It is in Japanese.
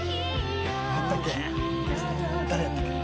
誰やったっけ？